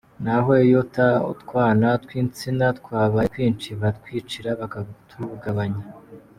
Na ho iyo utwana tw’insina twabaye twinshi, baratwicira bakatugabanya.